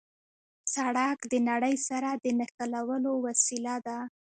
سړک د نړۍ سره د نښلولو وسیله ده.